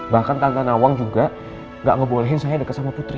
bahkan tangga nawang juga gak ngebolehin saya dekat sama putri